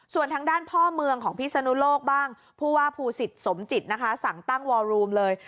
ส่วนทางด้านพ่อเมืองของพิศนุโลกบ้างผู้ว่าภูศิษฐ์สมจิตนะคะสั่งตั้งวอรูมเลย